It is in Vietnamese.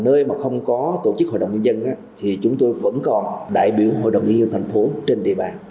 nơi mà không có tổ chức hội đồng nhân dân thì chúng tôi vẫn còn đại biểu hội đồng nhân dân thành phố trên địa bàn